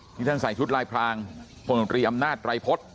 ที่ท่านใส่ชุดลายพรางพลตรีอำนาจไรพฤษ